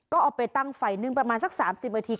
ก็เอาไปตั้งไฟนึ่งประมาณสัก๓๐นาที